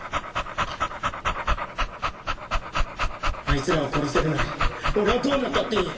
あいつらを殺せるなら俺はどうなったっていい！